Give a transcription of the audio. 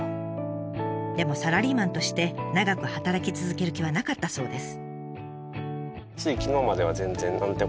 でもサラリーマンとして長く働き続ける気はなかったそうです。